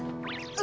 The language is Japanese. あ。